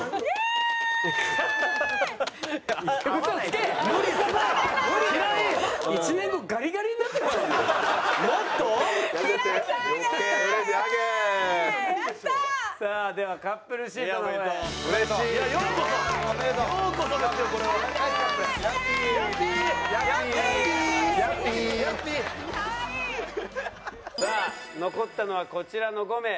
可愛い！さあ残ったのはこちらの５名。